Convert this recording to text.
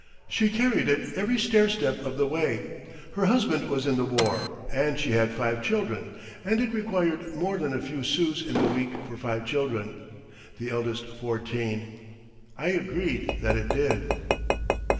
She carried it every stair step of the way. Her husband was in the war, and she had five children and it required more than a few sous in the week for five children, the eldest fourteen. I agreed that it did.